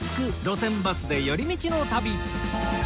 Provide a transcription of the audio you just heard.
路線バスで寄り道の旅』